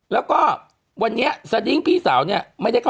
แล้วก็วันนี้ซาดิ้งพี่เราเนี่ย